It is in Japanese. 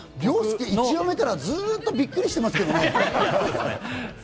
凌介は１話目からずっとびっくりしてますけどね。